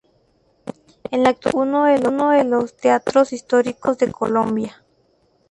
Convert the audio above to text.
En la actualidad es uno de los teatros históricos de Colombia.